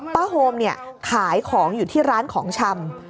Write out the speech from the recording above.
ป้าโฮมขายของอยู่ที่ร้านของชำ